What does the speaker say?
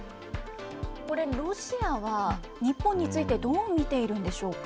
これ、ロシアは日本についてどう見ているんでしょうか。